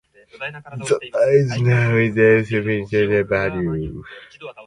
The bay is known for its fishing and scenic value.